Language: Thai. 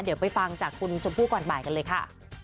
เดี๋ยวไปฟังจากคุณชมพู่ก่อนบ่ายกันเลยค่ะ